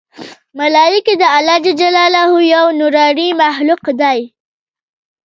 ملایکې د الله ج یو نورانې مخلوق دی